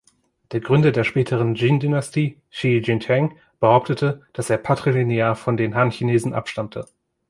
Der Gründer der Späteren Jin-Dynastie, Shi Jingtang, behauptete, dass er patrilinear von den Han-Chinesen abstammte.